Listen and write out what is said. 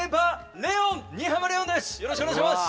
よろしくお願いします。